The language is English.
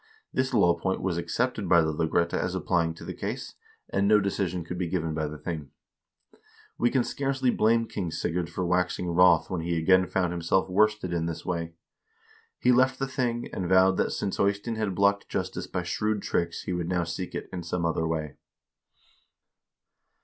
This law point was accepted by the lagrette as applying to the case, and no decision could be given by the thing. We can scarcely blame King Sigurd for waxing wroth when he again found himself worsted in this way. He left the thing, and vowed that since Eystein had blocked justice by shrewd tricks he would now seek it in some other way.